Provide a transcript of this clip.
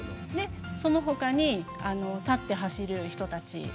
そのほかに立って走る人たち。